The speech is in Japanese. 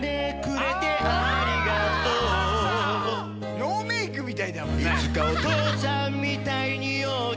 ノーメークみたいだもんね。